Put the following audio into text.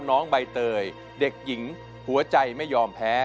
น้องใบเตยเด็กหญิงหัวใจไม่ยอมแพ้